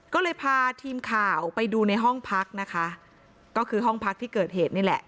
ก็เลยพาทีมข่าวไปดูในห้องพักนะคะก็คือห้องพักที่เกิดเหตุนี่แหละ